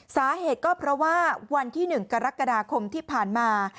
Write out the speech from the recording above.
สาเหตุก็เพราะว่าวันที่๑กรกฎาคมที่ผ่านมา